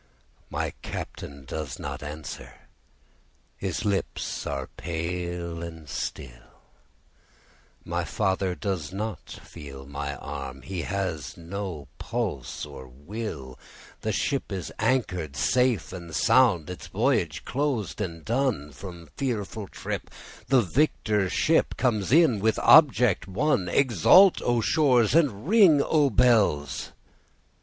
My Captain does not answer, his lips are pale and still, My father does not feel my arm, he has no pulse nor will, The ship is anchor'd safe and sound, its voyage closed and done, From fearful trip the victor ship comes in with object won; Exult O shores, and ring O bells!